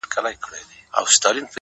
مړاوي یې سترگي ـ